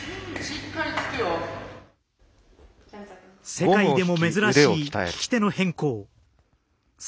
世界でも珍しい利き手の変更。